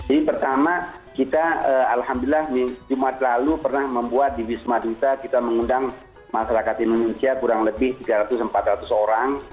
ini pertama kita alhamdulillah jumat lalu pernah membuat di wisma duta kita mengundang masyarakat indonesia kurang lebih tiga ratus empat ratus orang